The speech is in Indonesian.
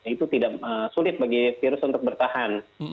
itu tidak sulit bagi virus untuk bertahan